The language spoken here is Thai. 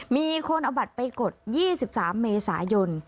มีคนเอาบัตรไปกด๒๓เมษายน